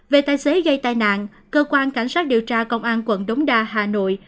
về tài xế gây tai nạn cơ quan cảnh sát điều tra công an quận đống đa hà nội